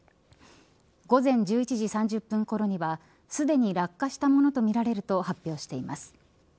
午前１１時３０分ごろにはすでに落下したものとみられると発表しています。